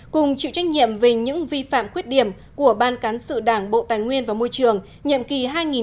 cùng chịu trách nhiệm về những vi phạm khuyết điểm của ban cán sự đảng bộ tài nguyên và môi trường nhậm kỳ hai nghìn một mươi một hai nghìn một mươi sáu